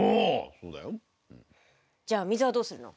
そうだよ。じゃあ水はどうするの？